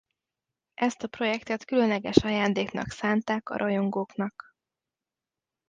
Ezt a projektet különleges ajándéknak szánták a rajongóknak.